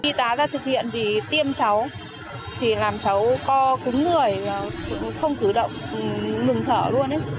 khi tá ra thực hiện thì tiêm cháu làm cháu co cứng người không cử động ngừng thở luôn